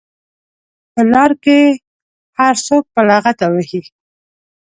په لار کې هر څوک په لغته وهي.